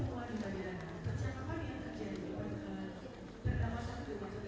fasilitas yang diberikan oleh perspektif itu